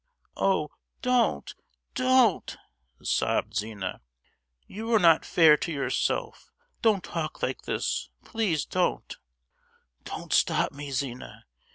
"Oh, don't! don't!" sobbed Zina, "you are not fair to yourself: don't talk like this, please don't!" "Don't stop me, Zina!